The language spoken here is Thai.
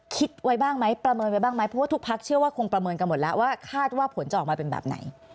คิดไว้บ้างไหมประเมินไว้บ้างไหมเพราะว่าทุกพักเชื่อว่าคงประเมินกันหมดแล้วว่าคาดว่าผลจะออกมาเป็นแบบไหน